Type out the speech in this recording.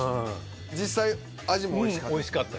実際味もおいしかった。